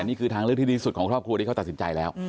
นี่คือทางเลือกที่ดีสุดของครอบครัวที่เขาตัดสินใจแล้ว